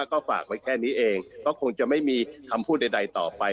ก็ฝากไว้แค่นี้เองก็คงจะไม่มีคำพูดใดต่อไป